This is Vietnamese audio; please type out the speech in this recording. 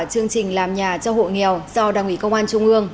chương trình làm nhà cho hộ nghèo do đảng ủy công an trung ương